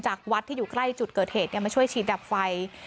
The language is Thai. วัดที่อยู่ใกล้จุดเกิดเหตุมาช่วยฉีดดับไฟ